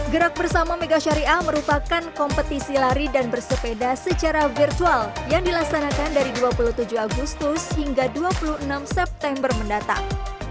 gerak bersama mega syariah merupakan kompetisi lari dan bersepeda secara virtual yang dilaksanakan dari dua puluh tujuh agustus hingga dua puluh enam september mendatang